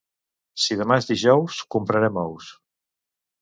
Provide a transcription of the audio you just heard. Si demà és dijous, comprarem ous.